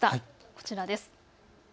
こちらです。